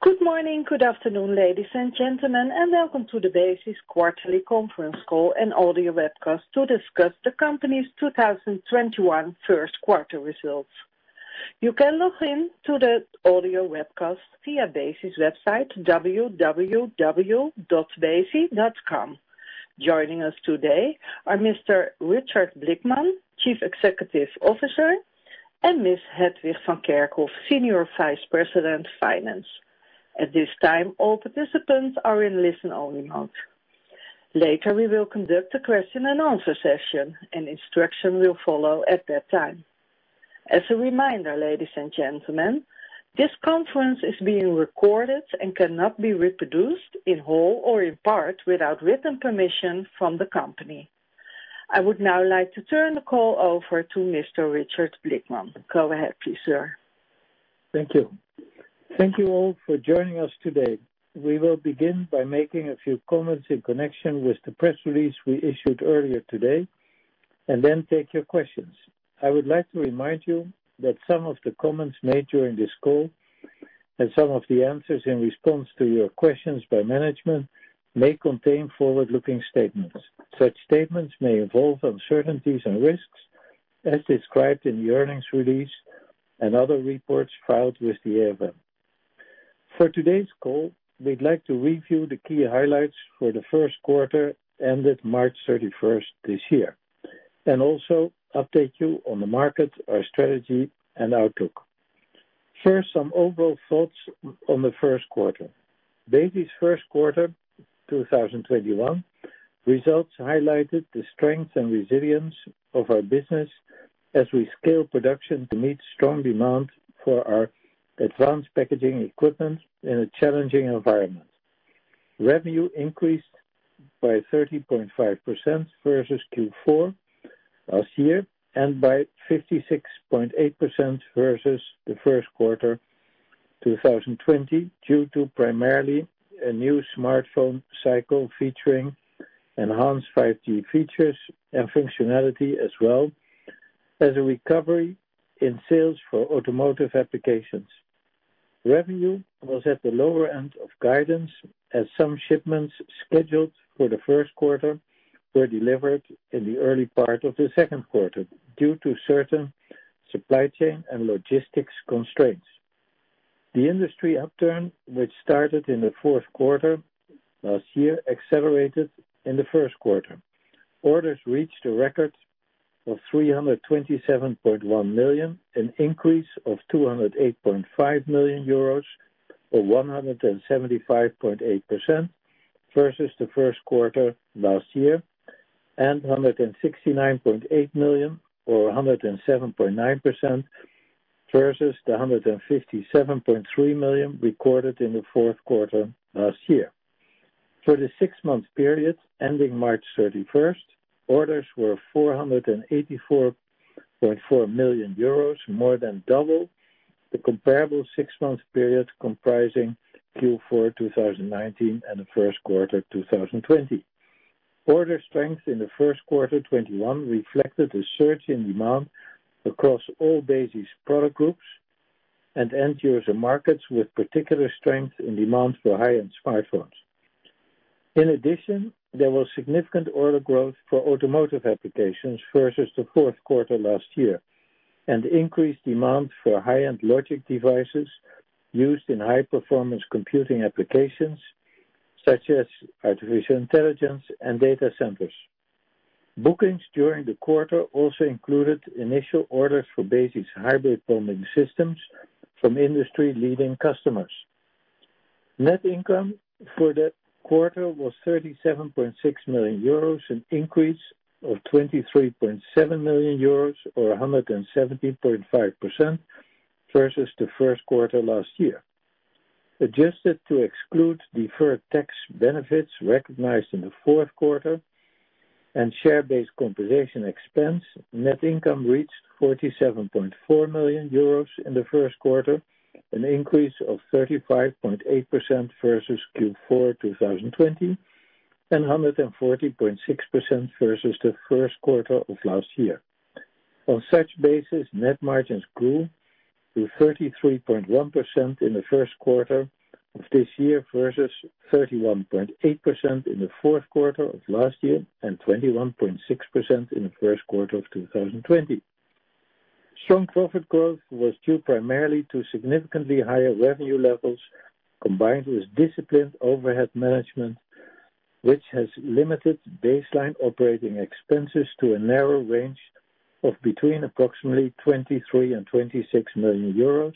Good morning, good afternoon, ladies and gentlemen, and welcome to the Besi quarterly conference call and audio webcast to discuss the company's 2021 first quarter results. You can log in to the audio webcast via Besi's website, www.besi.com. Joining us today are Mr. Richard Blickman, Chief Executive Officer, and Miss Hedwig van Kerckhoven, Senior Vice President, Finance. At this time, all participants are in listen-only mode. Later, we will conduct a question and answer session, and instruction will follow at that time. As a reminder, ladies and gentlemen, this conference is being recorded and cannot be reproduced in whole or in part without written permission from the company. I would now like to turn the call over to Mr. Richard Blickman. Go ahead, please, sir. Thank you. Thank you all for joining us today. We will begin by making a few comments in connection with the press release we issued earlier today, and then take your questions. I would like to remind you that some of the comments made during this call and some of the answers in response to your questions by management may contain forward-looking statements. Such statements may involve uncertainties and risks as described in the earnings release and other reports filed with the AFM. For today's call, we'd like to review the key highlights for the first quarter ended March 31st this year, and also update you on the market, our strategy, and outlook. First, some overall thoughts on the first quarter. Besi first quarter 2021 results highlighted the strength and resilience of our business as we scale production to meet strong demand for our advanced packaging equipment in a challenging environment. Revenue increased by 30.5% versus Q4 last year, and by 56.8% versus the first quarter 2020, due to primarily a new smartphone cycle featuring enhanced 5G features and functionality, as well as a recovery in sales for automotive applications. Revenue was at the lower end of guidance as some shipments scheduled for the first quarter were delivered in the early part of the second quarter due to certain supply chain and logistics constraints. The industry upturn, which started in the fourth quarter last year, accelerated in the first quarter. Orders reached a record of 327.1 million, an increase of 208.5 million euros or 175.8% versus the first quarter last year, and 169.8 million or 107.9% versus the 157.3 million recorded in the fourth quarter last year. For the six-month period ending March 31st, orders were 484.4 million euros, more than double the comparable six-month period comprising Q4 2019 and the first quarter 2020. Order strength in the first quarter 2021 reflected a surge in demand across all Besi product groups and end-user markets, with particular strength in demand for high-end smartphones. In addition, there was significant order growth for automotive applications versus the fourth quarter last year, and increased demand for high-end logic devices used in high-performance computing applications such as artificial intelligence and data centers. Bookings during the quarter also included initial orders for Besi's hybrid bonding systems from industry-leading customers. Net income for that quarter was 37.6 million euros, an increase of 23.7 million euros or 117.5% versus the first quarter last year. Adjusted to exclude deferred tax benefits recognized in the fourth quarter and share-based compensation expense, net income reached 47.4 million euros in the first quarter, an increase of 35.8% versus Q4 2020 and 140.6% versus the first quarter of last year. On such basis, net margins grew to 33.1% in the first quarter of this year versus 31.8% in the fourth quarter of last year and 21.6% in the first quarter of 2020. Strong profit growth was due primarily to significantly higher revenue levels, combined with disciplined overhead management, which has limited baseline operating expenses to a narrow range of between approximately 23 million and 26 million euros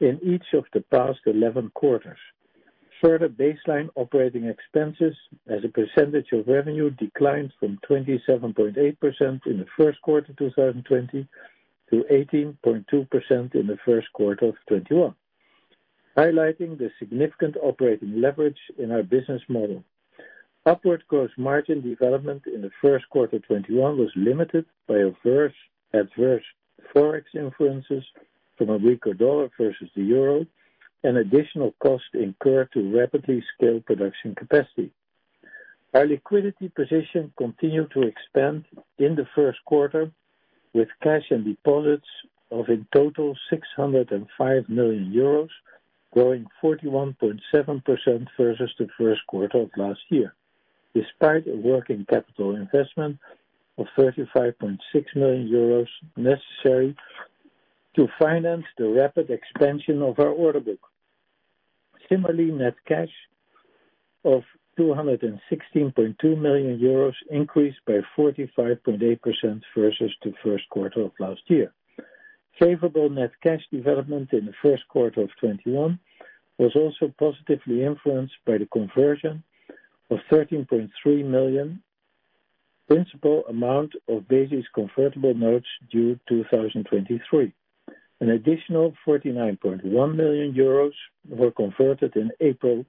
in each of the past 11 quarters. Further baseline operating expenses as a percentage of revenue declined from 27.8% in the first quarter 2020 to 18.2% in the first quarter 2021, highlighting the significant operating leverage in our business model. Upward gross margin development in the first quarter 2021 was limited by adverse Forex influences from a weaker dollar versus the euro and additional cost incurred to rapidly scale production capacity. Our liquidity position continued to expand in the first quarter, with cash and deposits of a total of 605 million euros, growing 41.7% versus the first quarter of last year, despite a working capital investment of 35.6 million euros necessary to finance the rapid expansion of our order book. Similarly, net cash of 216.2 million euros increased by 45.8% versus the first quarter of last year. Favorable net cash development in the first quarter of 2021 was also positively influenced by the conversion of 30.3 million principal amount of Besi convertible bonds due 2023. An additional 49.1 million euros were converted in April,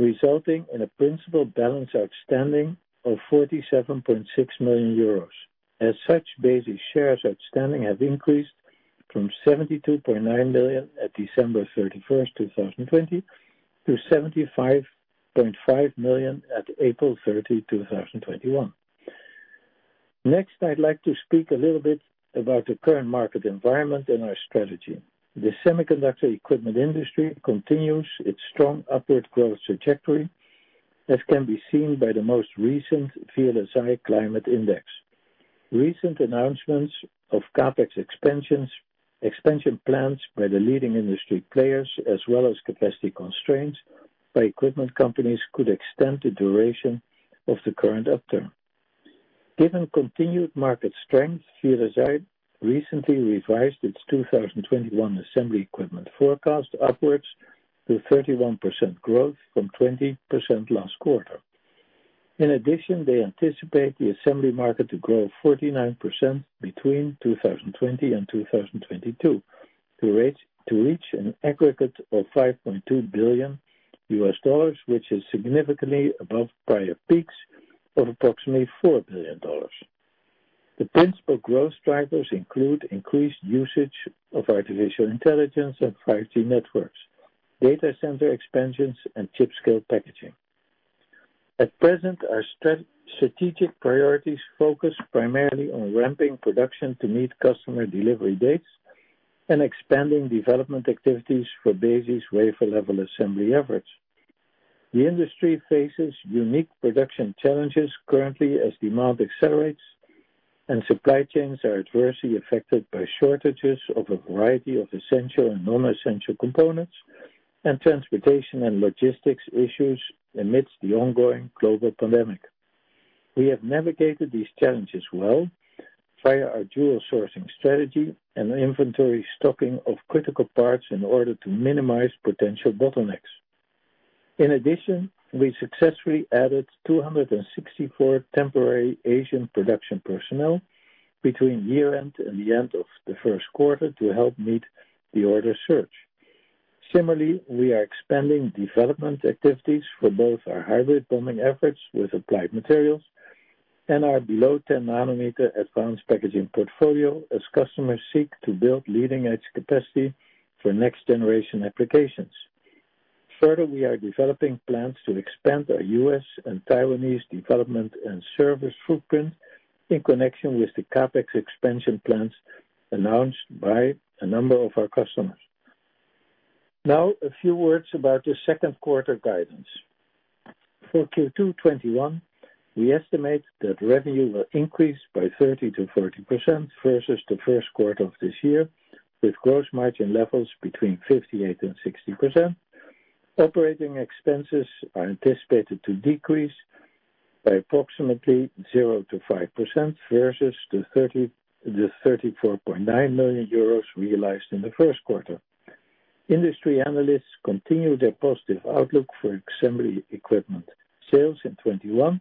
resulting in a principal balance outstanding of 47.6 million euros. As such, Besi shares outstanding have increased from 72.9 million on December 31st, 2020, to 75.5 million on April 30, 2021. Next, I'd like to speak a little bit about the current market environment and our strategy. The semiconductor equipment industry continues its strong upward growth trajectory, as can be seen by the most recent via the VLSI Climate Index. Recent announcements of CapEx expansion plans by the leading industry players, as well as capacity constraints by equipment companies, could extend the duration of the current upturn. Given continued market strength, SEMI recently revised its 2021 assembly equipment forecast upwards to 31% growth from 20% last quarter. In addition, they anticipate the assembly market to grow 49% between 2020 and 2022, to reach an aggregate of $5.2 billion, which is significantly above prior peaks of approximately $4 billion. The principal growth drivers include increased usage of artificial intelligence and 5G networks, data center expansions, and chip-scale packaging. At present, our strategic priorities focus primarily on ramping production to meet customer delivery dates and expanding development activities for basic wafer level assembly efforts. The industry faces unique production challenges currently as demand accelerates and supply chains are adversely affected by shortages of a variety of essential and non-essential components, and transportation and logistics issues amidst the ongoing global pandemic. We have navigated these challenges well via our dual sourcing strategy and the inventory stocking of critical parts in order to minimize potential bottlenecks. In addition, we successfully added 264 temporary Asian production personnel between year-end and the end of the first quarter to help meet the order surge. Similarly, we are expanding development activities for both our hybrid bonding efforts with Applied Materials and our below 10 nanometer advanced packaging portfolio as customers seek to build leading-edge capacity for next-generation applications. We are developing plans to expand our U.S. and Taiwanese development and service footprint in connection with the CapEx expansion plans announced by a number of our customers. A few words about the second quarter guidance. For Q2 2021, we estimate that revenue will increase by 30%-40% versus the first quarter of this year, with gross margin levels between 58% and 60%. Operating expenses are anticipated to decrease by approximately 0%-5% versus the 34.9 million euros realized in the first quarter. Industry analysts continue their positive outlook for assembly equipment sales in 2021,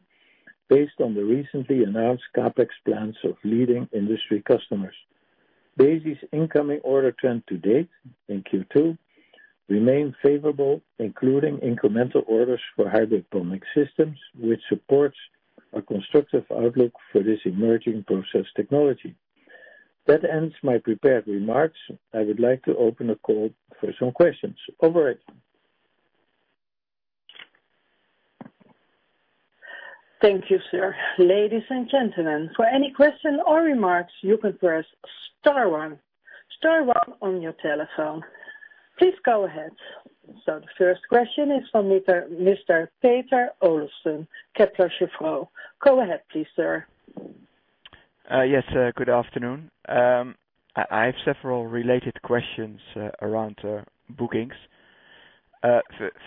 based on the recently announced CapEx plans of leading industry customers. Basic incoming order trend to date in Q2 remains favorable, including incremental orders for hybrid bonding systems, which supports a constructive outlook for this emerging process technology. That ends my prepared remarks. I would like to open a call for some questions. Over to you. Thank you, sir. Ladies and gentlemen, for any question or remarks, you can press star one on your telephone. Please go ahead. The first question is from Mr. Peter Olofsen, Kepler Cheuvreux. Go ahead, please, sir. Yes, good afternoon. I have several related questions around bookings.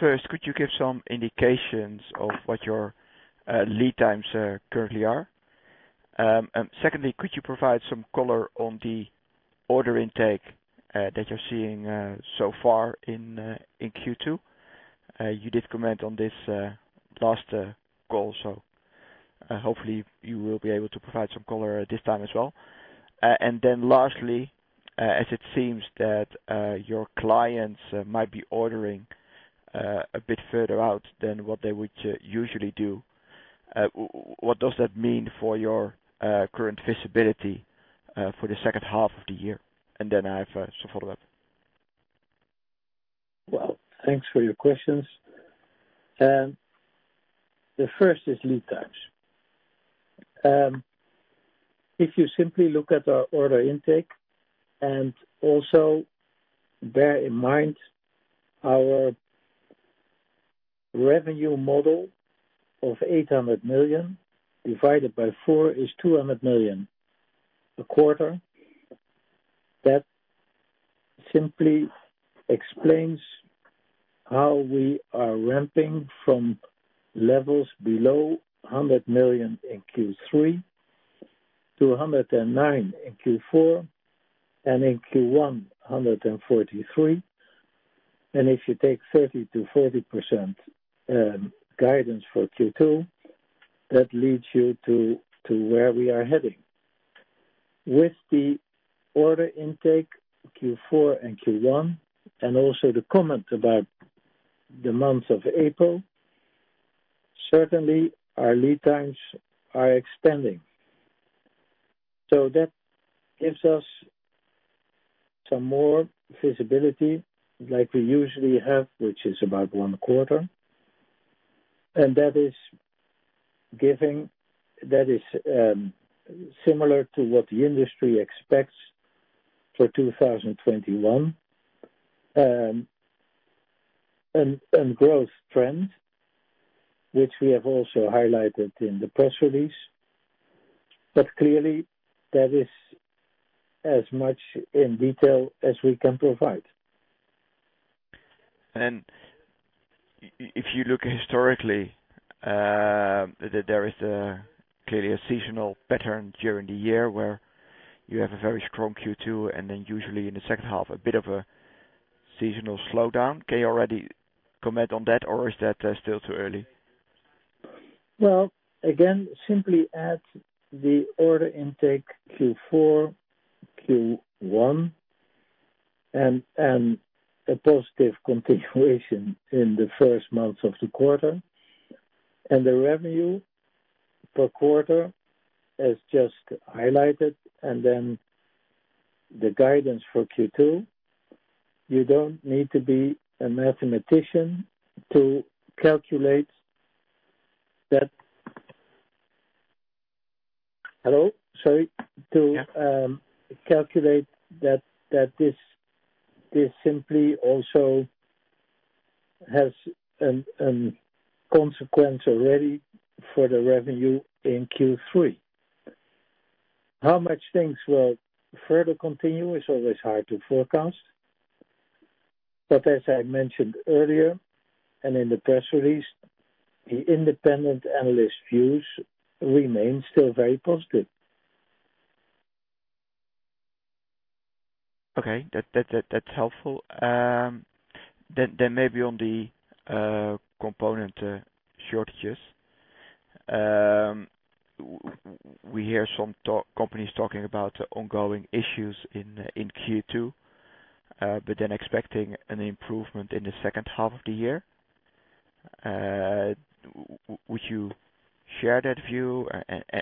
First, could you give some indications of what your lead times currently are? Secondly, could you provide some color on the order intake that you're seeing so far in Q2? You did comment on this last call. Hopefully you will be able to provide some color this time as well. Lastly, as it seems that your clients might be ordering a bit further out than what they would usually do, what does that mean for your current visibility for the second half of the year? I have a follow-up. Thanks for your questions. The first is lead times. If you simply look at our order intake and also bear in mind our revenue model of 800 million divided by four is 200 million a quarter, that simply explains how we are ramping from levels below 100 million in Q3 to 109 million in Q4, and in Q1, 143 million. If you take 30%-40% guidance for Q2, that leads you to where we are heading. With the order intake, Q4 and Q1, and also the comment about the month of April, certainly our lead times are expanding. That gives us some more visibility like we usually have, which is about one quarter, and that is similar to what the industry expects for 2021, and growth trend, which we have also highlighted in the press release. Clearly that is as much in detail as we can provide. If you look historically, there is clearly a seasonal pattern during the year where you have a very strong Q2, and then usually in the second half, a bit of a seasonal slowdown. Can you already comment on that or is that still too early? Well, again, simply add the order intake Q4, Q1, and a positive continuation in the first months of the quarter, and the revenue per quarter as just highlighted, and then the guidance for Q2. You don't need to be a mathematician to calculate that. Hello? Sorry. Yeah. To calculate that this simply also has a consequence already for the revenue in Q3. How much things will further continue is always hard to forecast. As I mentioned earlier, and in the press release, the independent analyst views remain still very positive. Okay. That's helpful. Maybe on the component shortages. We hear some companies talking about ongoing issues in Q2, but then expecting an improvement in the second half of the year. Would you share that view?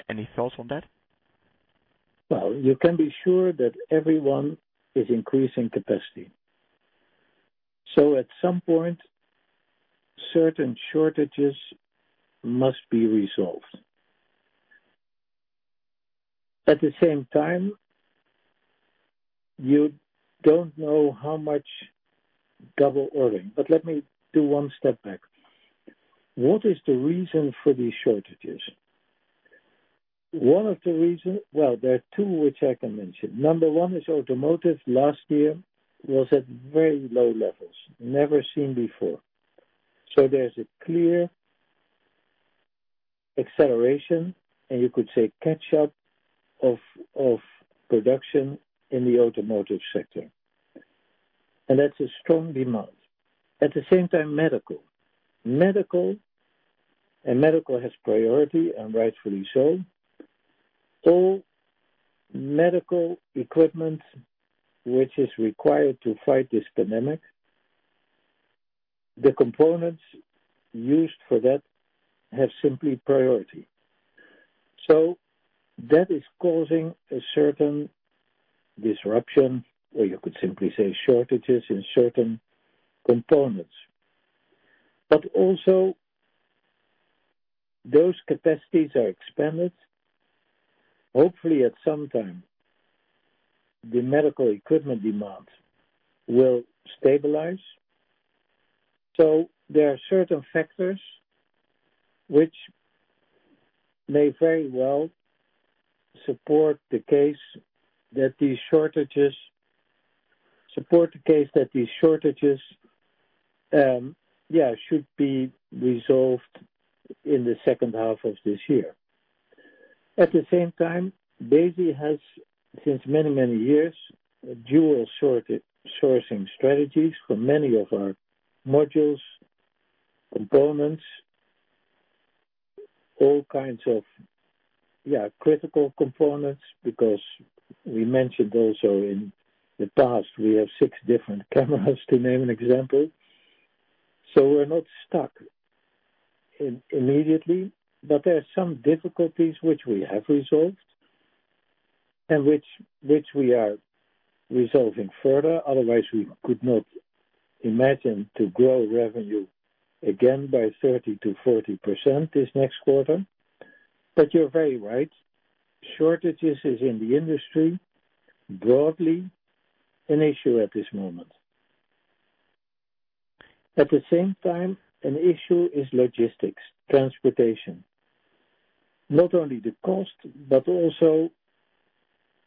Any thoughts on that? Well, you can be sure that everyone is increasing capacity. At some point, certain shortages must be resolved. At the same time, you don't know how much double ordering. Let me do one step back. What is the reason for these shortages? One of the reason, well, there are two which I can mention. Number one is automotive last year was at very low levels, never seen before. There's a clear acceleration, and you could say catch-up of production in the automotive sector. That's a strong demand. At the same time, medical. Medical, medical has priority, and rightfully so. All medical equipment which is required to fight this pandemic, the components used for that have simply priority. That is causing a certain disruption, or you could simply say shortages in certain components. Also, those capacities are expanded. Hopefully, at some time, the medical equipment demand will stabilize. There are certain factors which may very well support the case that these shortages should be resolved in the second half of this year. At the same time, Besi has, since many years, dual sourcing strategies for many of our modules, components, all kinds of critical components, because we mentioned also in the past, we have six different cameras, to name an example. We're not stuck immediately, but there are some difficulties which we have resolved and which we are resolving further. Otherwise, we could not imagine to grow revenue again by 30%-40% this next quarter. You're very right, shortages is in the industry, broadly, an issue at this moment. At the same time, an issue is logistics, transportation. Not only the cost, but also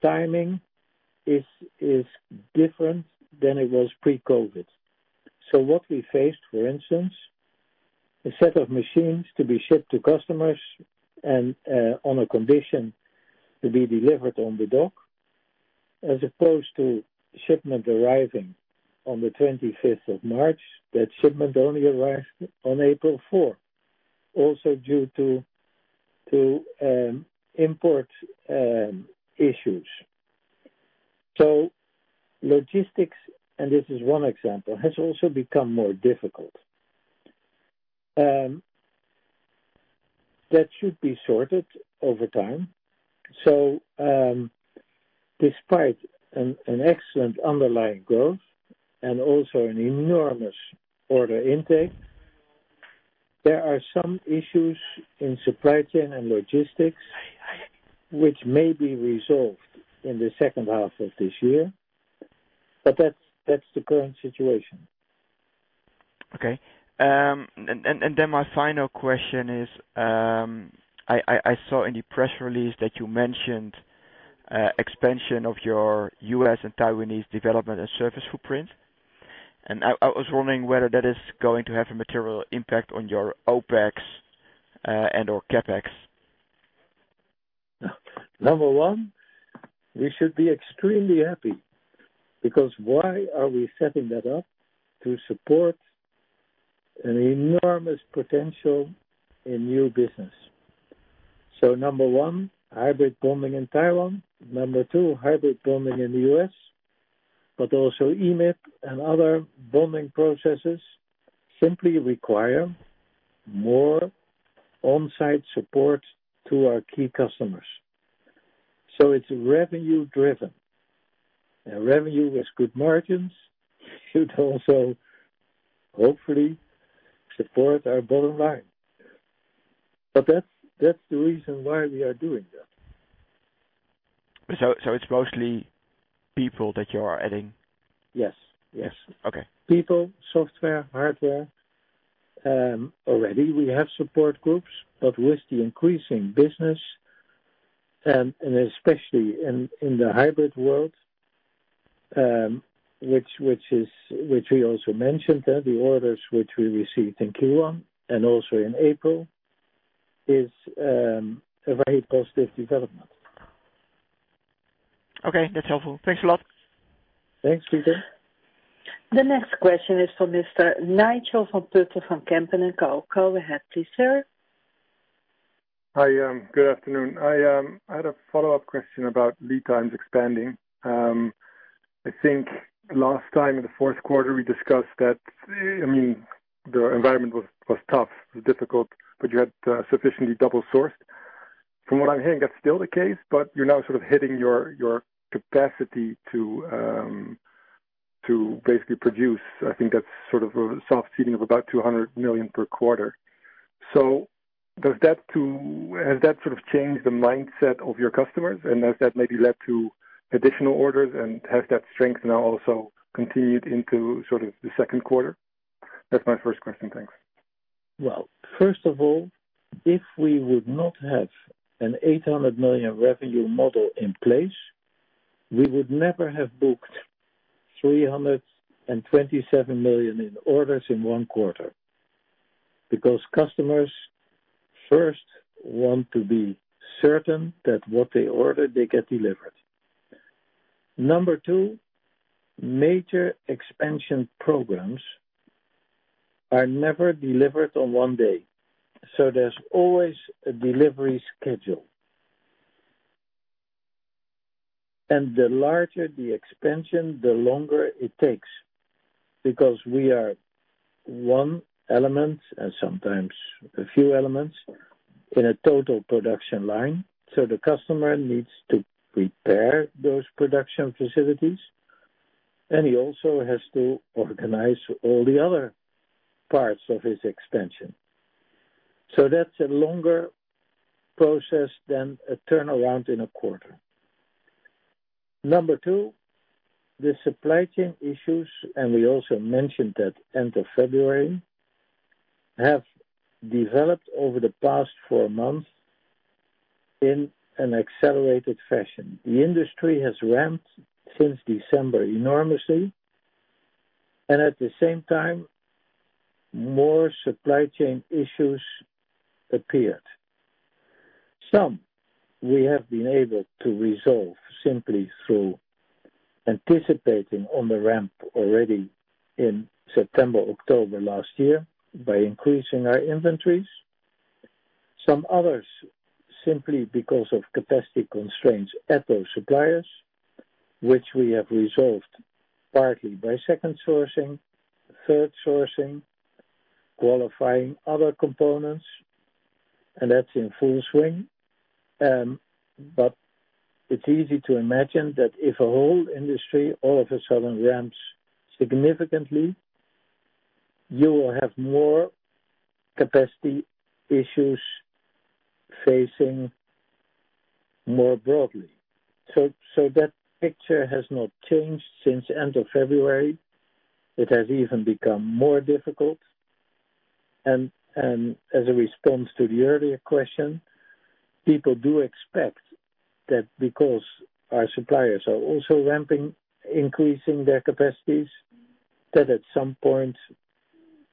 timing is different than it was pre-COVID. What we faced, for instance, a set of machines to be shipped to customers and on a condition to be delivered on the dock, as opposed to shipment arriving on the 25th of March, that shipment only arrived on April 4, also due to import issues. Logistics, and this is one example, has also become more difficult. That should be sorted over time. Despite an excellent underlying growth and also an enormous order intake, there are some issues in supply chain and logistics which may be resolved in the second half of this year, but that's the current situation. Okay. My final question is, I saw in your press release that you mentioned expansion of your U.S. and Taiwanese development and service footprint. I was wondering whether that is going to have a material impact on your OpEx, and/or CapEx. Number one, we should be extremely happy because why are we setting that up? To support an enormous potential in new business. Number one, hybrid bonding in Taiwan, number two, hybrid bonding in the U.S., but also EMIB and other bonding processes simply require more on-site support to our key customers. It's revenue-driven. Revenue with good margins should also hopefully support our bottom line. That's the reason why we are doing that. It's mostly people that you are adding? Yes. Okay. People, software, hardware. Already we have support groups, but with the increasing business, and especially in the hybrid world, which we also mentioned, the orders which we received in Q1 and also in April, is a very positive development. Okay, that's helpful. Thanks a lot. Thanks, Peter. The next question is from Mr. Nigel van Putten from Kempen & Co. Go ahead, please, sir. Hi, good afternoon. I had a follow-up question about lead times expanding. I think last time in the fourth quarter, we discussed that, the environment was tough, it was difficult. You had sufficiently double-sourced. From what I'm hearing, that's still the case. You're now sort of hitting your capacity to basically produce. I think that's sort of a soft ceiling of about 200 million per quarter. Has that sort of changed the mindset of your customers, and has that maybe led to additional orders, and has that strength now also continued into sort of the second quarter? That's my first question. Thanks. First of all, if we would not have an 800 million revenue model in place, we would never have booked 327 million in orders in one quarter, because customers first want to be certain that what they order, they get delivered. Number 2, major expansion programs are never delivered on one day. There's always a delivery schedule. The larger the expansion, the longer it takes because we are one element, and sometimes a few elements, in a total production line. The customer needs to prepare those production facilities, and he also has to organize all the other parts of his expansion. That's a longer process than a turnaround in a quarter. Number 2, the supply chain issues, and we also mentioned that end of February, have developed over the past four months in an accelerated fashion. The industry has ramped since December enormously, and at the same time, more supply chain issues appeared. Some we have been able to resolve simply through anticipating on the ramp already in September, October last year by increasing our inventories. Some others, simply because of capacity constraints at those suppliers, which we have resolved partly by second-sourcing, third-sourcing, qualifying other components, and that's in full swing. It's easy to imagine that if a whole industry all of a sudden ramps significantly, you will have more capacity issues facing more broadly. That picture has not changed since the end of February. It has even become more difficult and as a response to the earlier question, people do expect that because our suppliers are also ramping, increasing their capacities, that at some point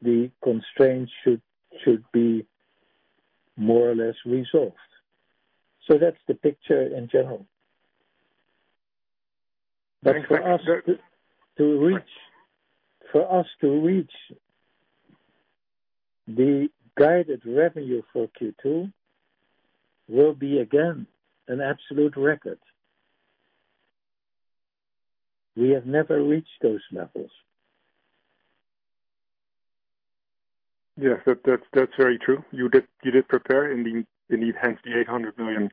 the constraints should be more or less resolved. That's the picture in general. Thanks for- For us to reach the guided revenue for Q2 will be, again, an absolute record. We have never reached those levels. Yes. That's very true. You did prepare indeed, hence the 800 million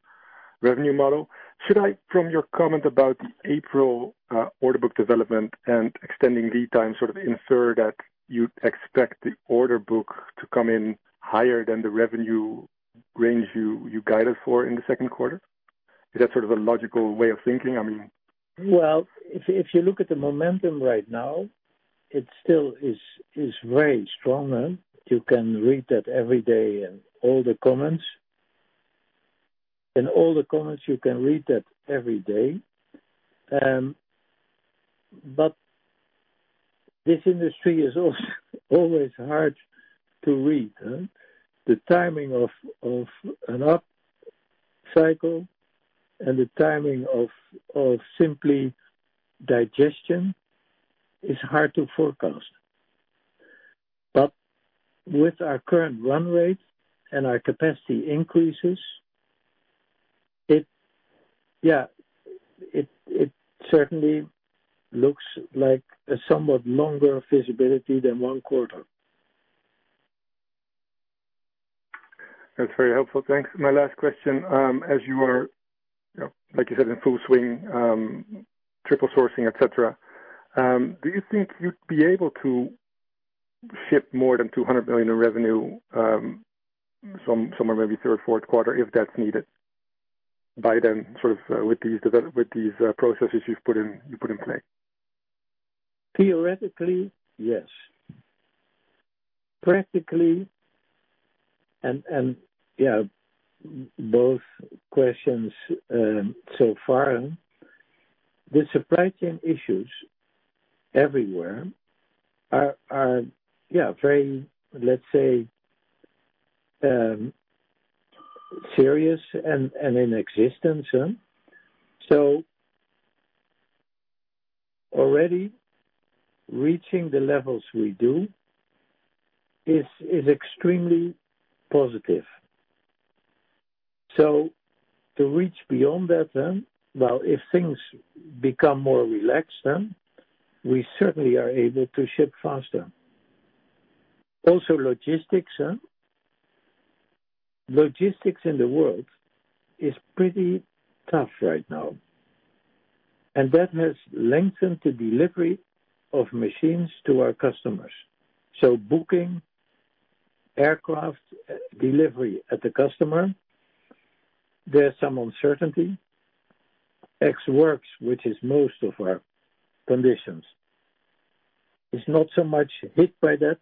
revenue model. Should I, from your comment about April order book development and extending lead time sort of infer that you'd expect the order book to come in higher than the revenue range you guided for in the second quarter? Is that sort of a logical way of thinking? Well, if you look at the momentum right now, it still is very strong. You can read that every day in all the comments. In all the comments, you can read that every day. This industry is always hard to read. The timing of an up cycle and the timing of simply digestion is hard to forecast. With our current run rate and our capacity increases, it certainly looks like a somewhat longer visibility than one quarter. That's very helpful. Thanks. My last question, as you are, like you said, in full swing, triple sourcing, et cetera, do you think you'd be able to ship more than 200 million in revenue somewhere maybe third, fourth quarter, if that's needed by then, sort of with these processes you've put in play? Theoretically, yes. Practically, both questions so far, the supply chain issues everywhere are very, let's say, serious and in existence. Already reaching the levels we do is extremely positive. To reach beyond that, well, if things become more relaxed, we certainly are able to ship faster. Also logistics. Logistics in the world is pretty tough right now, and that has lengthened the delivery of machines to our customers. Booking aircraft delivery at the customer, there's some uncertainty. Ex Works, which is most of our conditions, is not so much hit by that,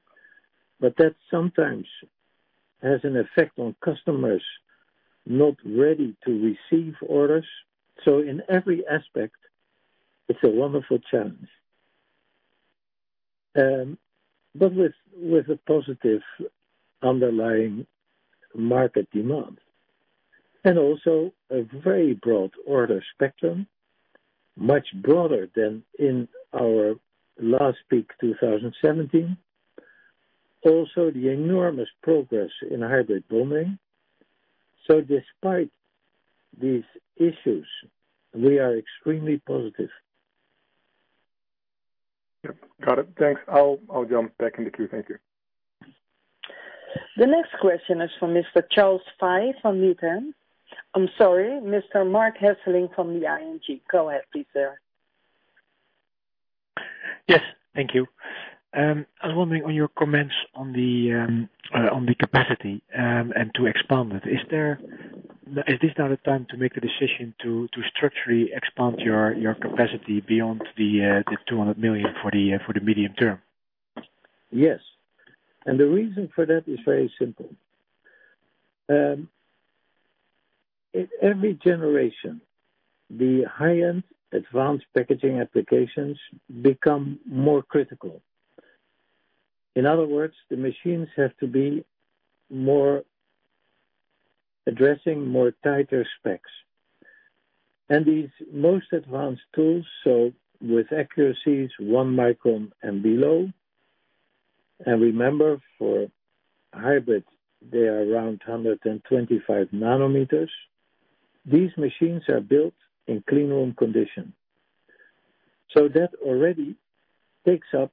but that sometimes has an effect on customers not ready to receive orders. In every aspect, it's a wonderful challenge. With a positive underlying market demand and also a very broad order spectrum, much broader than in our last peak, 2017. Also, the enormous progress in hybrid bonding. Despite these issues, we are extremely positive. Yep. Got it. Thanks. I'll jump back in the queue. Thank you. The next question is from Mr. Charles Shi from UTAM. I'm sorry, Mr. Marc Hesselink from the ING. Go ahead, please, sir. Yes. Thank you. I was wondering on your comments on the capacity, and to expand it. Is this now the time to make a decision to structurally expand your capacity beyond the 200 million for the medium term? Yes. The reason for that is very simple. In every generation, the high-end advanced packaging applications become more critical. In other words, the machines have to be addressing tighter specs. These most advanced tools, so with accuracies one micron and below, and remember for hybrids, they are around 125 nanometers. These machines are built in clean room conditions. That already takes up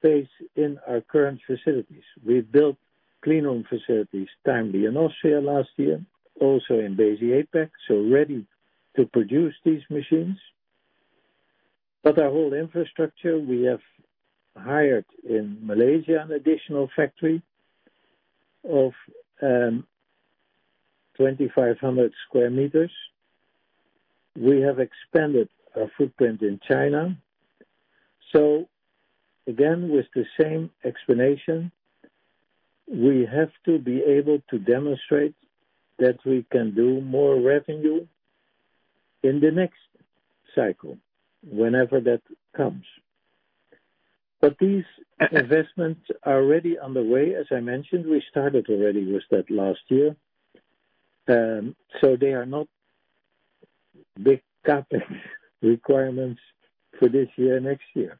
space in our current facilities. We've built clean room facilities timely in Austria last year, also in Besi APac, so ready to produce these machines. Our whole infrastructure, we have hired in Malaysia an additional factory of 2,500 square meters. We have expanded our footprint in China. Again, with the same explanation, we have to be able to demonstrate that we can do more revenue in the next cycle, whenever that comes. These investments are already on the way, as I mentioned, we started already with that last year. They are not big capital requirements for this year, next year.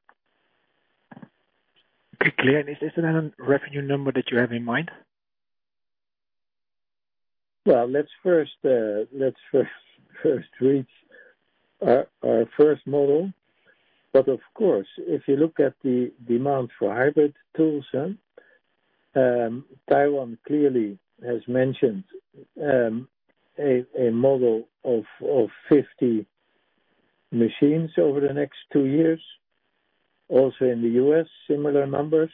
Okay, clear. Is there a revenue number that you have in mind? Well, let's first reach our first model. Of course, if you look at the demand for hybrid tools, Taiwan clearly has mentioned a model of 50 machines over the next two years, also in the U.S., similar numbers.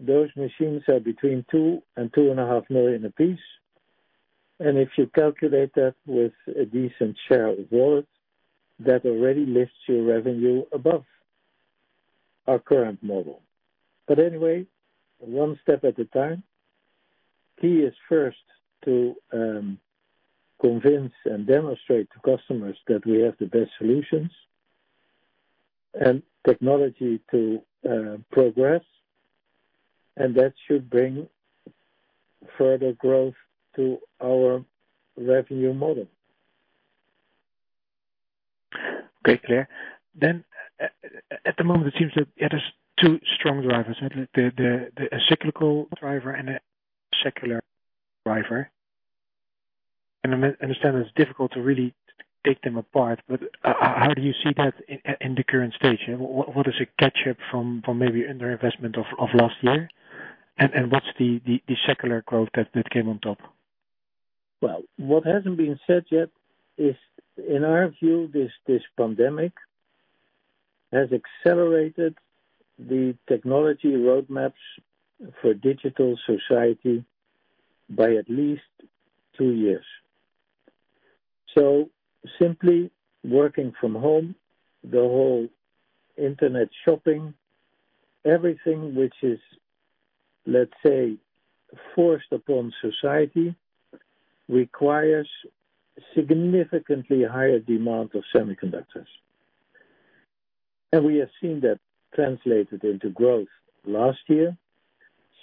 Those machines are between 2 million and 2.5 million a piece. If you calculate that with a decent share of wallet, that already lifts your revenue above our current model. Anyway, one step at a time. Key is first to convince and demonstrate to customers that we have the best solutions and technology to progress, and that should bring further growth to our revenue model. Okay, clear. At the moment, it seems that there's two strong drivers, the cyclical driver and a secular driver. I understand that it's difficult to really take them apart, but how do you see that in the current stage? What is a catch-up from maybe under-investment of last year? What's the secular growth that came on top? Well, what hasn't been said yet is, in our view, this pandemic has accelerated the technology roadmaps for digital society by at least two years. Simply working from home, the whole internet shopping, everything which is, let's say, forced upon society, requires significantly higher demand of semiconductors. We have seen that translated into growth last year,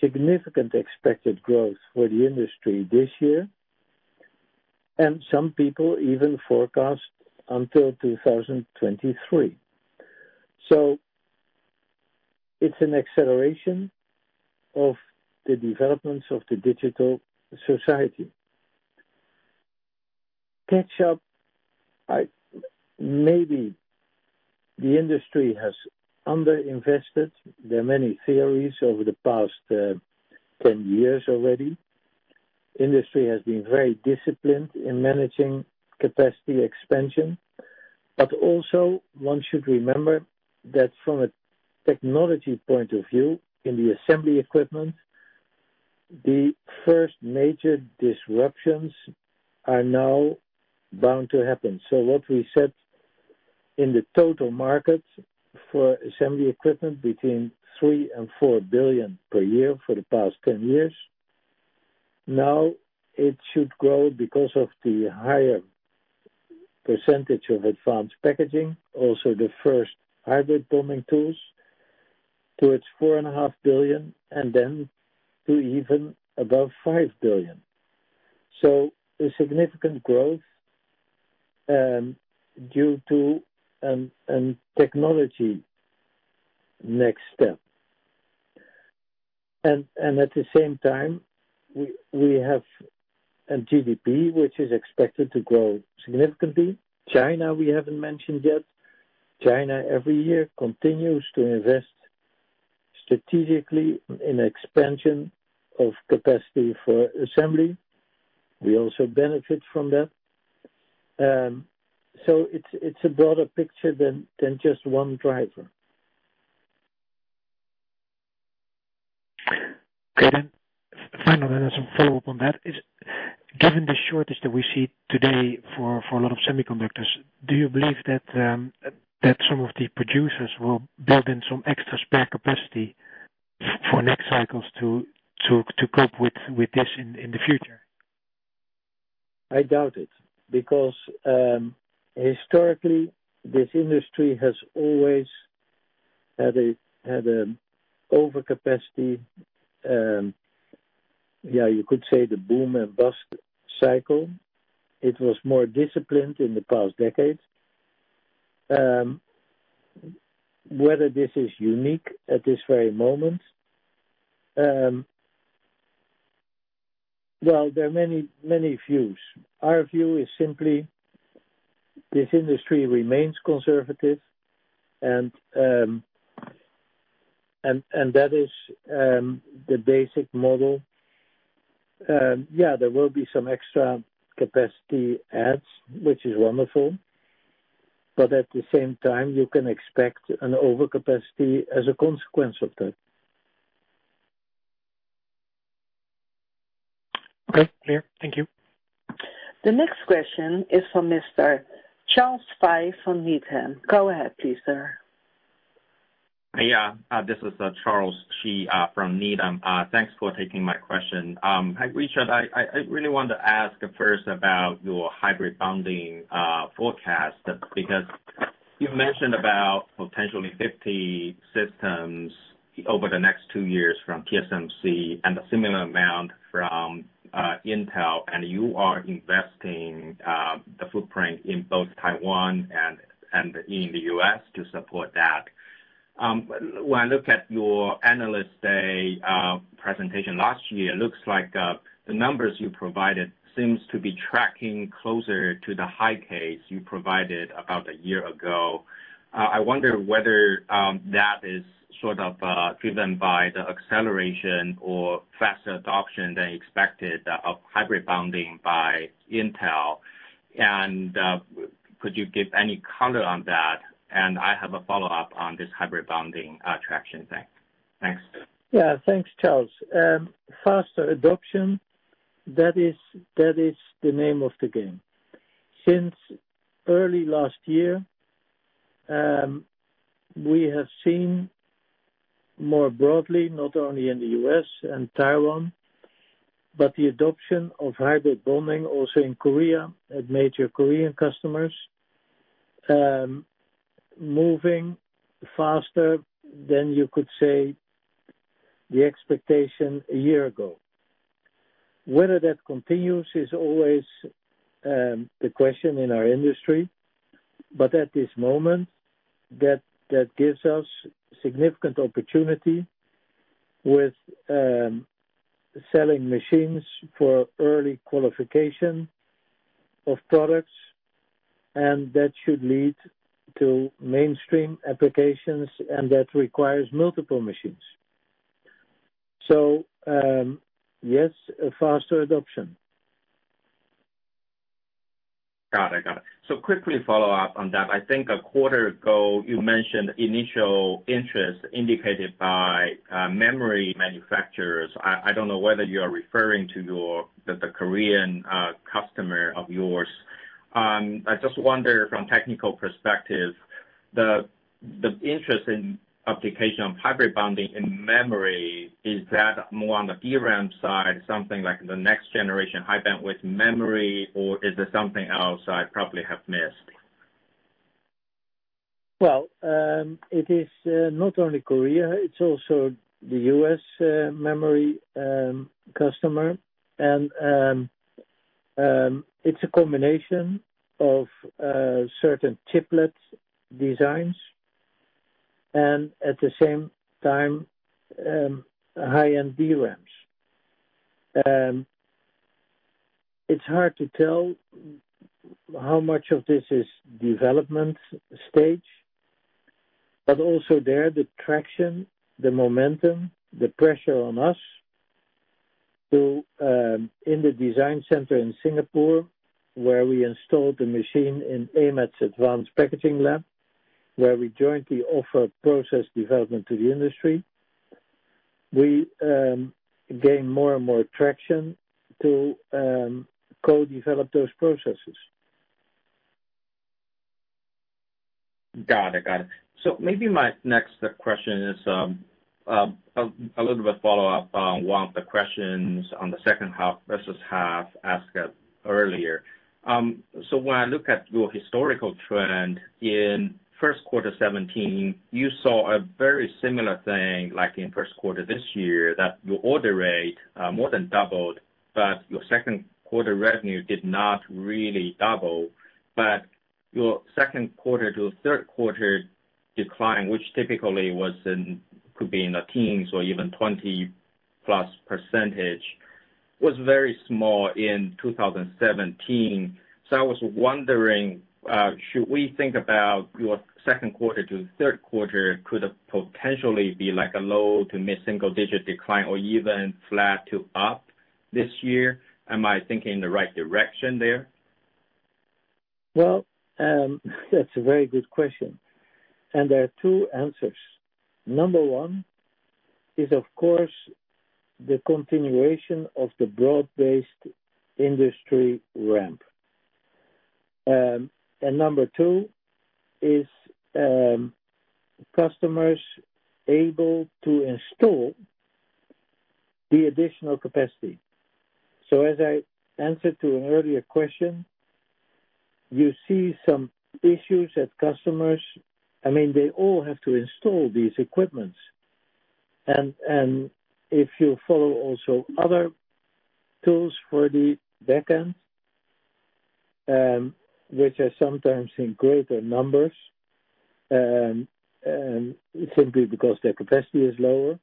significant expected growth for the industry this year, and some people even forecast until 2023. It's an acceleration of the developments of the digital society. Catch-up. Maybe the industry has under-invested. There are many theories over the past 10 years already. Industry has been very disciplined in managing capacity expansion. Also, one should remember that from a technology point of view, in the assembly equipment, the first major disruptions are now bound to happen. What we said in the total market for assembly equipment between 3 billion and 4 billion per year for the past 10 years, now it should grow because of the higher percentage of advanced packaging, also the first hybrid bonding tools, towards 4.5 billion, and then to even above 5 billion. A significant growth due to a technology next step. At the same time, we have a GDP which is expected to grow significantly. China, we haven't mentioned yet. China every year continues to invest strategically in expansion of capacity for assembly. We also benefit from that. It's a broader picture than just one driver. Okay, final then as a follow-up on that is, given the shortage that we see today for a lot of semiconductors, do you believe that some of the producers will build in some extra spare capacity for next cycles to cope with this in the future? I doubt it because, historically, this industry has always had overcapacity, you could say the boom and bust cycle. It was more disciplined in the past decades. Whether this is unique at this very moment. Well, there are many views. Our view is simply this industry remains conservative, and that is the Besi model. Yeah, there will be some extra capacity adds, which is wonderful. At the same time, you can expect an overcapacity as a consequence of that. Okay, clear. Thank you. The next question is from Mr. Charles Shi from Needham. Go ahead please, sir. Yeah. This is Charles Shi from Needham. Thanks for taking my question. Hi, Richard. I really want to ask first about your hybrid bonding forecast, because you mentioned about potentially 50 systems over the next two years from TSMC and a similar amount from Intel, and you are investing the footprint in both Taiwan and in the U.S. to support that. When I look at your Analyst Day presentation last year, it looks like the numbers you provided seems to be tracking closer to the high case you provided about a year ago. I wonder whether that is sort of driven by the acceleration or faster adoption than expected of hybrid bonding by Intel. Could you give any color on that? I have a follow-up on this hybrid bonding traction thing. Thanks. Thanks, Charles. Faster adoption, that is the name of the game. Since early last year, we have seen more broadly, not only in the U.S. and Taiwan, but the adoption of hybrid bonding also in Korea at major Korean customers, moving faster than you could say the expectation a year ago. Whether that continues is always the question in our industry. At this moment, that gives us significant opportunity with selling machines for early qualification of products. That should lead to mainstream applications. That requires multiple machines. Yes, a faster adoption. Got it. Quickly follow up on that. I think a quarter ago, you mentioned initial interest indicated by memory manufacturers. I don't know whether you are referring to the Korean customer of yours. I just wonder from technical perspective, the interest in application of hybrid bonding in memory, is that more on the DRAM side, something like the next generation high bandwidth memory, or is there something else I probably have missed? It is not only Korea, it's also the U.S. memory customer, it's a combination of certain chiplet designs, and at the same time, high-end DRAMs. It's hard to tell how much of this is development stage. Also there, the traction, the momentum, the pressure on us to, in the design center in Singapore, where we installed the machine in AMAT's advanced packaging lab, where we jointly offer process development to the industry. We gain more and more traction to co-develop those processes. Got it. Maybe my next question is a little bit follow up on one of the questions on the second versus half asked earlier. When I look at your historical trend in first quarter 2017, you saw a very similar thing like in first quarter this year, that your order rate more than doubled, but your second quarter revenue did not really double. Your second quarter to third quarter decline, which typically could be in the teens or even 20+%, was very small in 2017. I was wondering, should we think about your second quarter to third quarter could potentially be like a low to mid-single digit decline or even flat to up this year? Am I thinking in the right direction there? Well, that's a very good question. There are two answers. Number one is, of course, the continuation of the broad-based industry ramp. Number two is customers able to install the additional capacity. As I answered to an earlier question, you see some issues at customers. They all have to install these equipments. If you follow also other tools for the backend, which are sometimes in greater numbers, simply because their capacity is lower.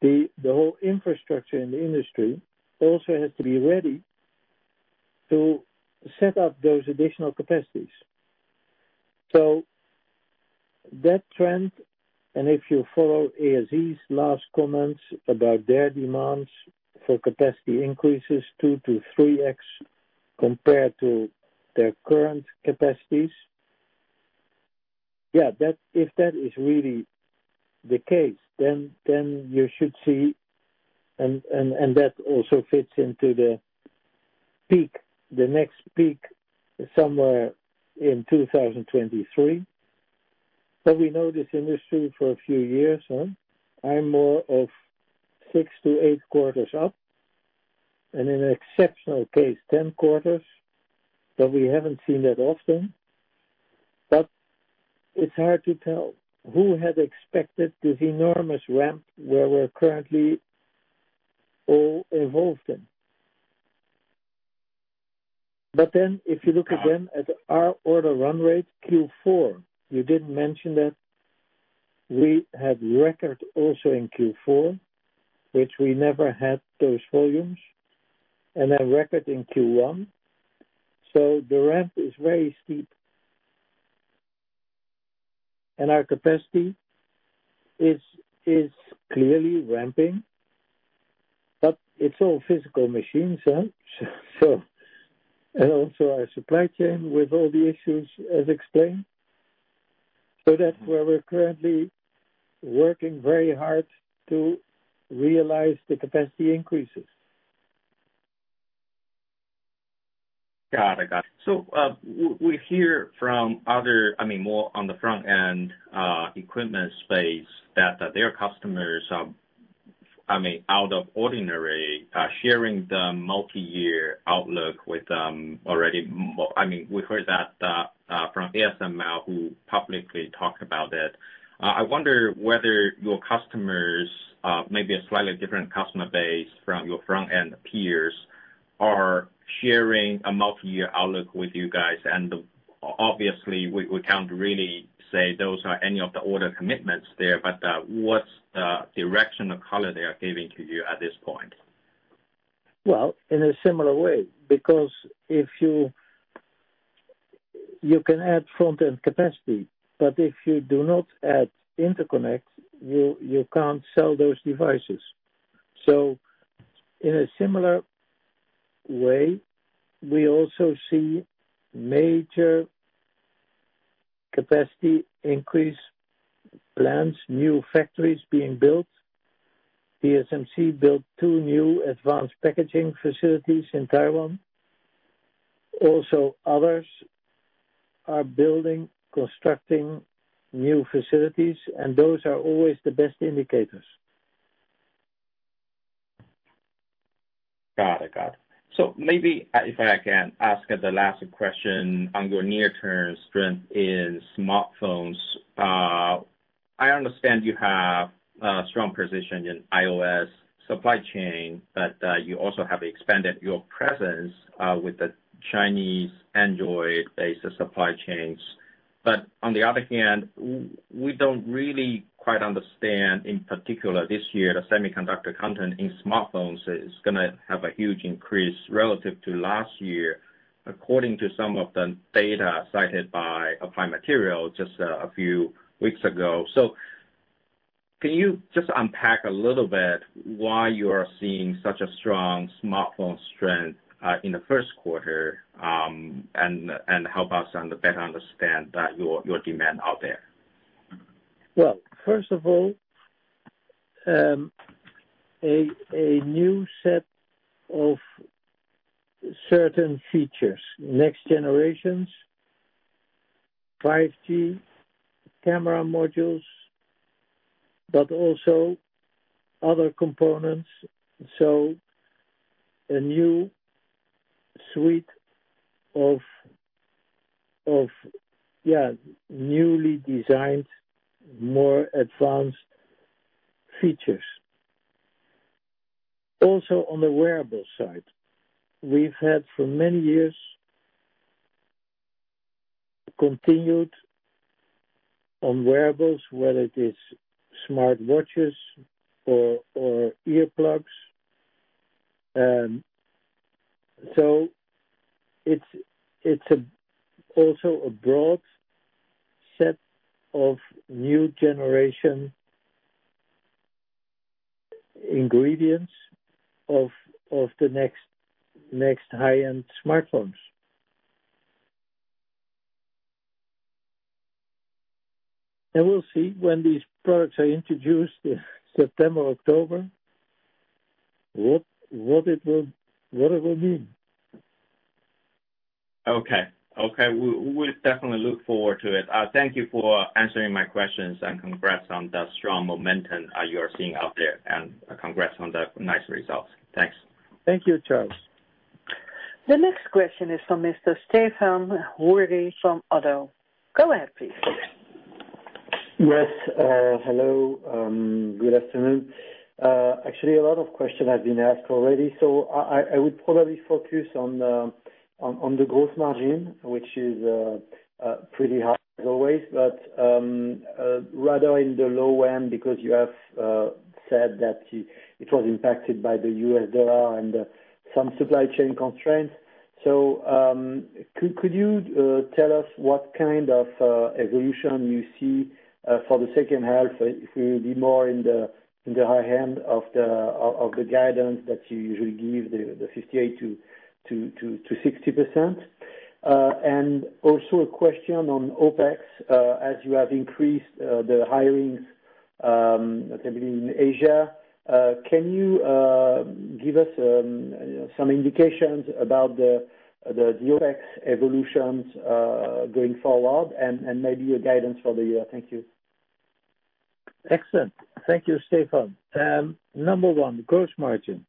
The whole infrastructure in the industry also has to be ready to set up those additional capacities. That trend, if you follow ASE's last comments about their demands for capacity increases 2x-3x compared to their current capacities. If that is really the case, you should see that also fits into the next peak somewhere in 2023. We know this industry for a few years. I'm more of six to eight quarters up, and in an exceptional case, 10 quarters, we haven't seen that often. It's hard to tell. Who had expected this enormous ramp where we're currently all involved in? If you look again at our order run rate, Q4, you didn't mention that we had record also in Q4, which we never had those volumes, and a record in Q1. The ramp is very steep, and our capacity is clearly ramping. It's all physical machines. Also our supply chain with all the issues as explained. That's where we're currently working very hard to realize the capacity increases. We hear from other, more on the front-end equipment space, that their customers are out of ordinary, sharing the multi-year outlook with them already. We heard that from ASML, who publicly talked about that. I wonder whether your customers, maybe a slightly different customer base from your front-end peers, are sharing a multi-year outlook with you guys. Obviously, we can't really say those are any of the order commitments there, but what's the direction of color they are giving to you at this point? Well, in a similar way. You can add front-end capacity, but if you do not add interconnects, you can't sell those devices. In a similar way, we also see major capacity increase plans, new factories being built. TSMC built two new advanced packaging facilities in Taiwan. Also others are building, constructing new facilities, and those are always the best indicators. Got it. Maybe if I can ask the last question on your near-term strength in smartphones. I understand you have a strong position in iOS supply chain, but you also have expanded your presence with the Chinese Android-based supply chains. On the other hand, we don't really quite understand, in particular this year, the semiconductor content in smartphones is going to have a huge increase relative to last year, according to some of the data cited by Applied Materials just a few weeks ago. Can you just unpack a little bit why you are seeing such a strong smartphone strength in the first quarter, and help us better understand your demand out there? First of all, a new set of certain features, next generations, 5G camera modules, but also other components. A new suite of newly designed, more advanced features. Also on the wearable side, we've had for many years continued on wearables, whether it is smartwatches or earplugs. It's also a broad set of new generation ingredients of the next high-end smartphones. We'll see when these products are introduced in September, October, what it will mean. Okay. We'll definitely look forward to it. Thank you for answering my questions. Congrats on the strong momentum you are seeing out there. Congrats on the nice results. Thanks. Thank you, Charles. The next question is from Mr. Stephane Houri from ODDO BHF. Go ahead, please. Yes. Hello, good afternoon. Actually, a lot of questions have been asked already, so I would probably focus on the gross margin, which is pretty high as always, but rather in the low end because you have said that it was impacted by the US dollar and some supply chain constraints. Could you tell us what kind of evolution you see for the second half, if it will be more in the high end of the guidance that you usually give, the 58%-60%? Also a question on OpEx, as you have increased the hiring, I believe in Asia, can you give us some indications about the OpEx evolutions going forward and maybe your guidance for the year? Thank you. Excellent. Thank you, Stephan. Number one, gross margin.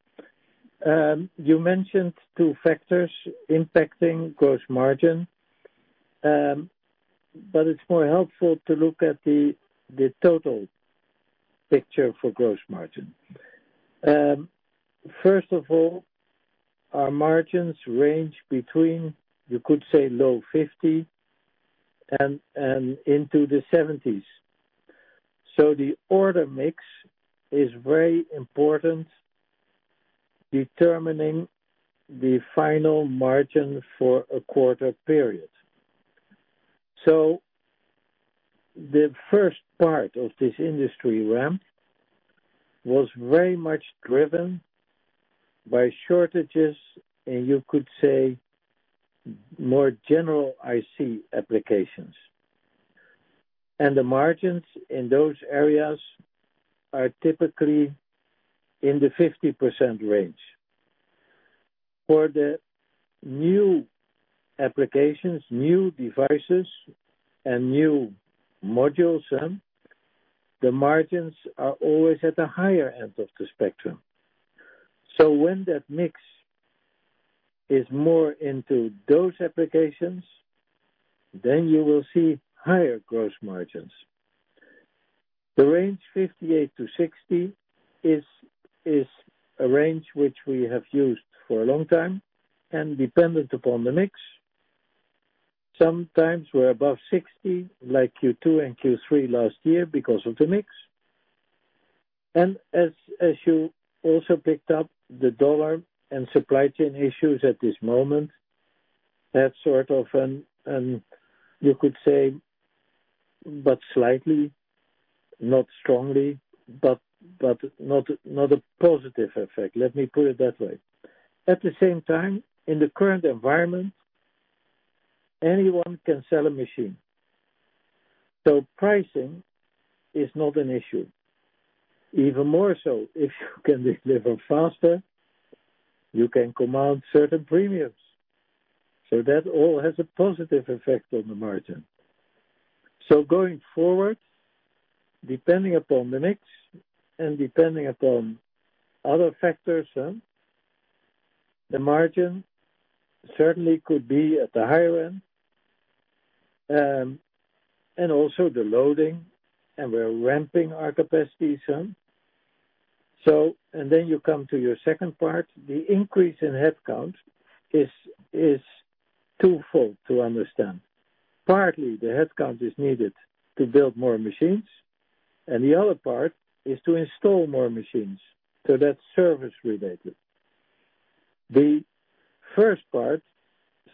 You mentioned two factors impacting gross margin, but it's more helpful to look at the total picture for gross margin. First of all, our margins range between, you could say, low 50% and into the 70s. The order mix is very important, determining the final margin for a quarter period. The first part of this industry ramp was very much driven by shortages, and you could say more general IC applications. The margins in those areas are typically in the 50% range. For the new applications, new devices, and new modules, the margins are always at the higher end of the spectrum. When that mix is more into those applications, then you will see higher gross margins. The range 58%-60% is a range which we have used for a long time and dependent upon the mix. Sometimes we're above 60%, like Q2 and Q3 last year because of the mix. As you also picked up the dollar and supply chain issues at this moment, that sort of, you could say, but slightly, not strongly, but not a positive effect, let me put it that way. At the same time, in the current environment, anyone can sell a machine, so pricing is not an issue. Even more so, if you can deliver faster, you can command certain premiums. That all has a positive effect on the margin. Going forward, depending upon the mix and depending upon other factors, the margin certainly could be at the higher end, and also the loading, and we're ramping our capacity some. Then you come to your second part, the increase in headcount is twofold to understand. Partly, the headcount is needed to build more machines, and the other part is to install more machines, so that's service-related. The first part,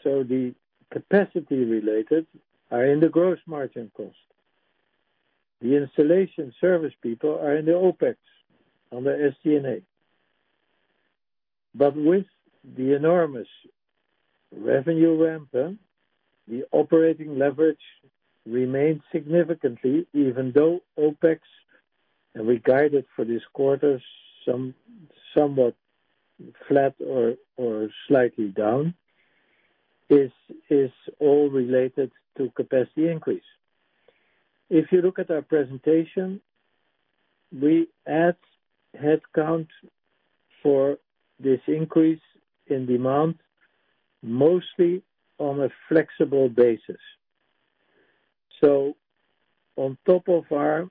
so the capacity-related, are in the gross margin cost. The installation service people are in the OpEx on the SG&A. With the enormous revenue ramp, the operating leverage remains significantly, even though OpEx, and we guided for this quarter somewhat flat or slightly down, is all related to capacity increase. If you look at our presentation, we add headcount for this increase in demand, mostly on a flexible basis. On top of our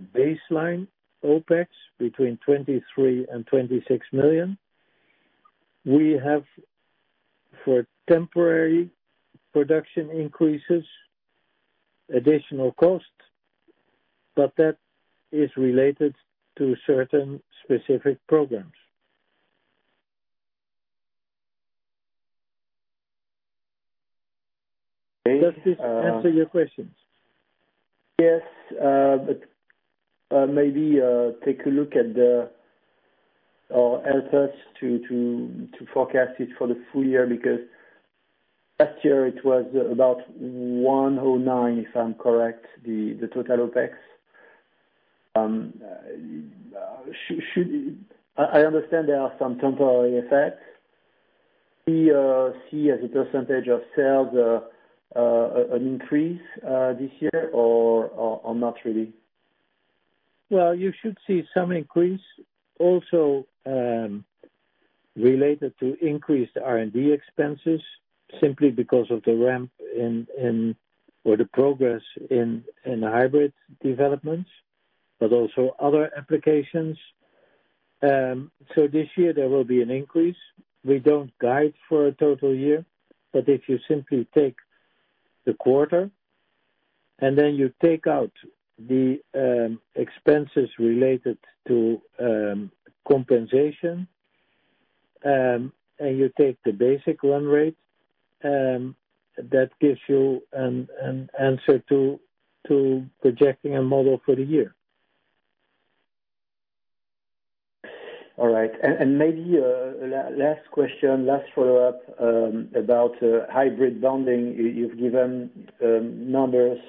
baseline OpEx between 23 million and 26 million, we have, for temporary production increases, additional costs, but that is related to certain specific programs. Does this answer your questions? Yes. Maybe take a look at or help us to forecast it for the full year, because last year it was about 109, if I'm correct, the total OpEx. I understand there are some temporary effects. We see as a % of sales an increase this year or not really? Well, you should see some increase also related to increased R&D expenses simply because of the ramp or the progress in hybrid developments, but also other applications. This year there will be an increase. We don't guide for a total year, but if you simply take the quarter and then you take out the expenses related to compensation, and you take the Besi run rate, that gives you an answer to projecting a model for the year. All right. Maybe last question, last follow-up about hybrid bonding. You've given numbers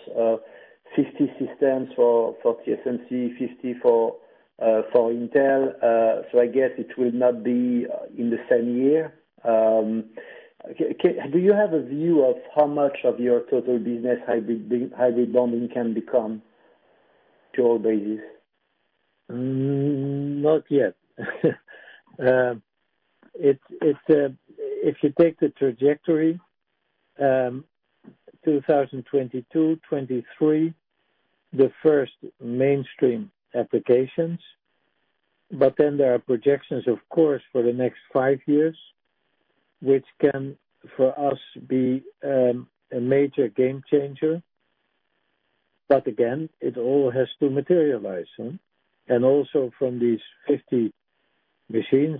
of 50 systems for TSMC, 50 for Intel. I guess it will not be in the same year. Do you have a view of how much of your total business hybrid bonding can become to all bases? Not yet. If you take the trajectory, 2022, 2023, the first mainstream applications. There are projections, of course, for the next five years, which can, for us, be a major game changer. Again, it all has to materialize. Also from these 50 machines,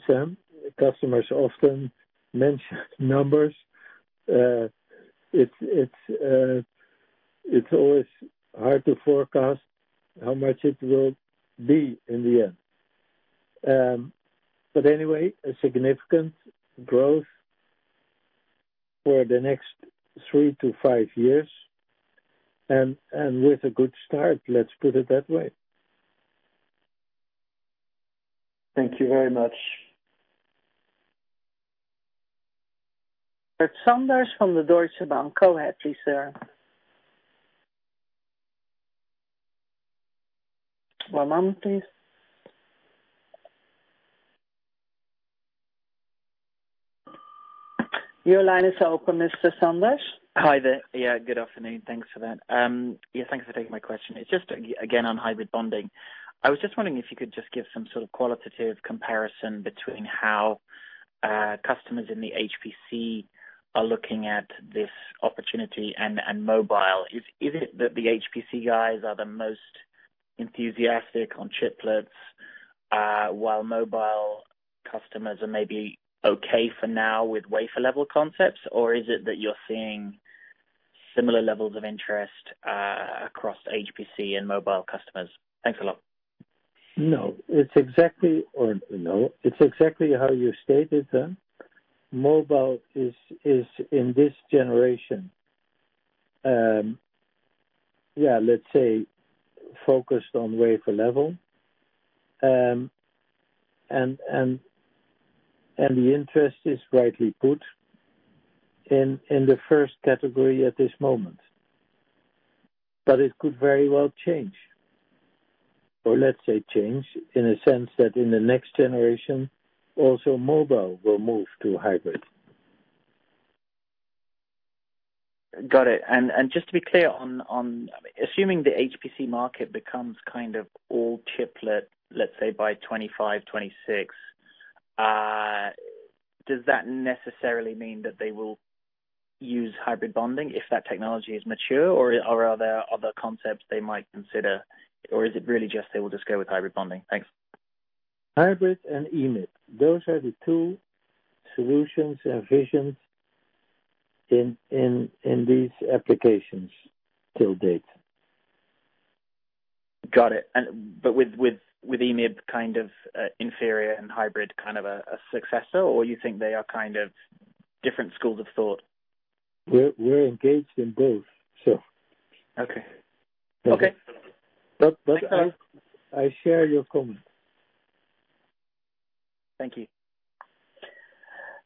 customers often mention numbers. It's always hard to forecast how much it will be in the end. Anyway, a significant growth for the next 3 to 5 years, and with a good start, let's put it that way. Thank you very much. Robert Sanders from the Deutsche Bank. Go ahead, please, sir. Hi there. Yeah, good afternoon. Thanks for that. Yeah, thanks for taking my question. It's just, again, on hybrid bonding. I was just wondering if you could just give some sort of qualitative comparison between how customers in the HPC are looking at this opportunity and mobile. Is it that the HPC guys are the most enthusiastic on chiplets, while mobile customers are maybe okay for now with wafer level concepts? Is it that you're seeing similar levels of interest across HPC and mobile customers? Thanks a lot. No, it's exactly how you stated. Mobile is in this generation, let's say, focused on wafer level. The interest is rightly put in the first category at this moment. It could very well change, or let's say change in a sense that in the next generation, also mobile will move to hybrid. Got it. Just to be clear, assuming the HPC market becomes all chiplet, let's say by 2025, 2026, does that necessarily mean that they will use hybrid bonding if that technology is mature? Are there other concepts they might consider? Is it really just they will just go with hybrid bonding? Thanks. Hybrid and EMIB, those are the two solutions and visions in these applications till date. Got it. With EMIB kind of inferior and hybrid kind of a successor, or you think they are kind of different schools of thought? We're engaged in both. Okay. I share your comment. Thank you.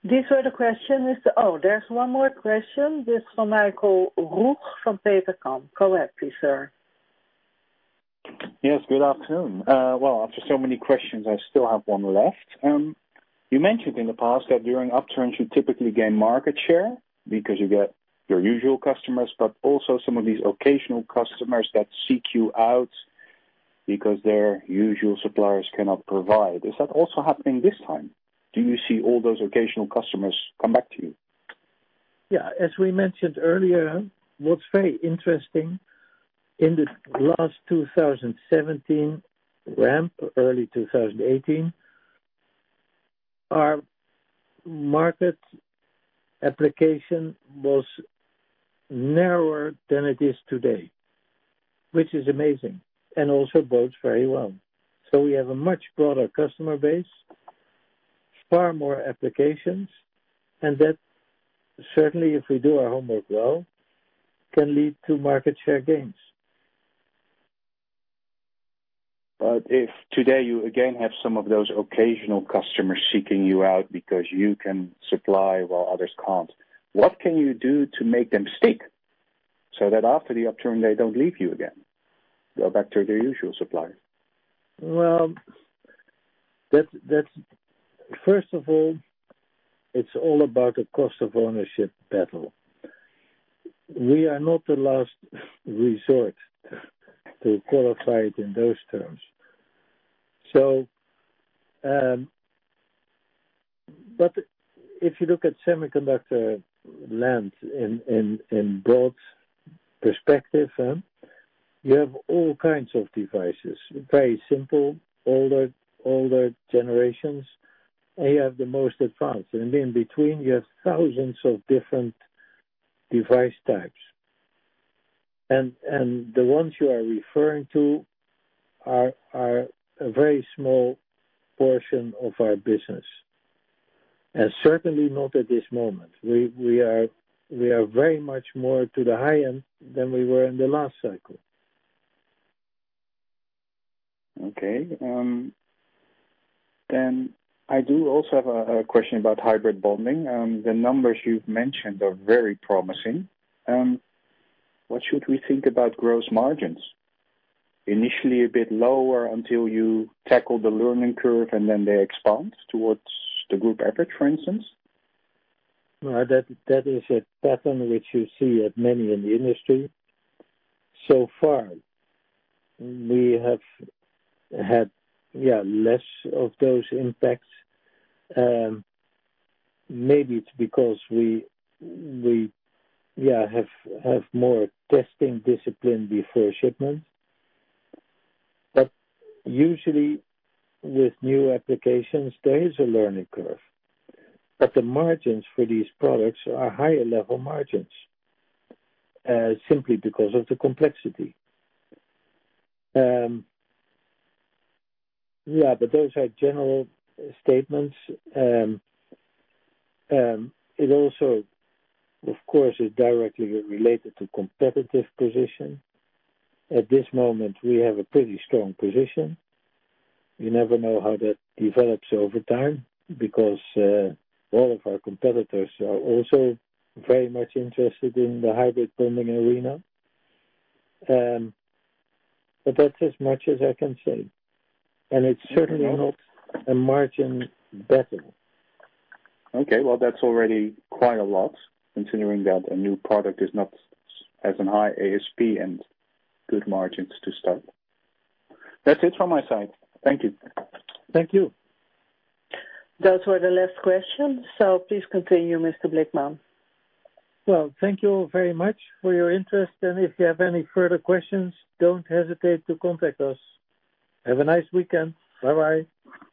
These were the questions. Oh, there's one more question. This from Michael Roeg from Degroof Petercam. Go ahead, please, sir. Yes, good afternoon. Well, after so many questions, I still have one left. You mentioned in the past that during upturns, you typically gain market share because you get your usual customers, but also some of these occasional customers that seek you out because their usual suppliers cannot provide. Is that also happening this time? Do you see all those occasional customers come back to you? Yeah. As we mentioned earlier, what's very interesting, in the last 2017 ramp, early 2018, our market application was narrower than it is today, which is amazing, and also bodes very well. We have a much broader customer base, far more applications, and that certainly, if we do our homework well, can lead to market share gains. If today you again have some of those occasional customers seeking you out because you can supply while others can't, what can you do to make them stick so that after the upturn, they don't leave you again, go back to their usual supplier? Well, first of all, it's all about the cost of ownership battle. We are not the last resort, to qualify it in those terms. If you look at semiconductor land in broad perspective, you have all kinds of devices, very simple, older generations, and you have the most advanced. In between, you have thousands of different device types. The ones you are referring to are a very small portion of our business, and certainly not at this moment. We are very much more to the high end than we were in the last cycle. Okay. I do also have a question about hybrid bonding. The numbers you've mentioned are very promising. What should we think about gross margins? Initially a bit lower until you tackle the learning curve, they expand towards the group average, for instance? That is a pattern which you see at many in the industry. So far, we have had less of those impacts. Maybe it's because we have more testing discipline before shipment. Usually, with new applications, there is a learning curve. The margins for these products are higher level margins, simply because of the complexity. Those are general statements. It also, of course, is directly related to competitive position. At this moment, we have a pretty strong position. You never know how that develops over time because all of our competitors are also very much interested in the hybrid bonding arena. That's as much as I can say, and it's certainly not a margin battle. Okay. Well, that's already quite a lot considering that a new product has an high ASP and good margins to start. That's it from my side. Thank you. Thank you. Those were the last questions. Please continue, Mr. Blickman. Well, thank you very much for your interest, and if you have any further questions, don't hesitate to contact us. Have a nice weekend. Bye-bye.